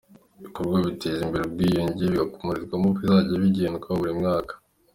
Ibikorwa biteza imbere ubwiyunge bizagikorwamo bizajya bigenwa buri mwaka .